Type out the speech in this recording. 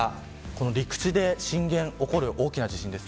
陸地で震源が起きる大きな地震です。